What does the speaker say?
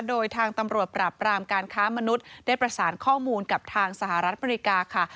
โดยทางตำรวจปราบรามการค้ามนุษย์ได้ประสานข้อมูลกับทางสหรัฐอเมริกาค่ะ